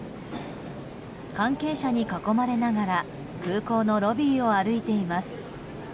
関係者に囲まれながら空港のロビーを歩いています。